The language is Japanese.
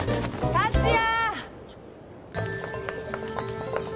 達也